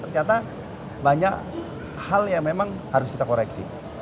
ternyata banyak hal yang memang harus kita koreksi